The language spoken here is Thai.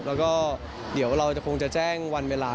แล้วก็เดี๋ยวเราจะคงจะแจ้งวันเวลา